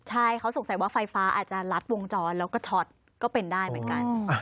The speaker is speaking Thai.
ใช่เขาสงสัยว่าไฟฟ้าอาจจะลัดวงจรแล้วก็ช็อตก็เป็นได้เหมือนกัน